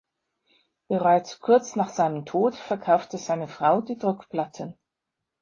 Bereits kurz nach seinem Tod verkaufte seine Frau die Druckplatten.